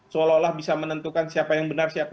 seolah olah bisa menentukan siapa yang benar siapa